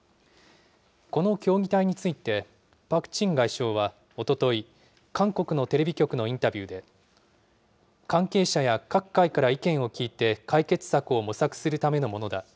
この協議体について、パク・チン外相はおととい、韓国のテレビ局のインタビューで、関係者や各界から意見を聞いて解決策を模索するためのものだ。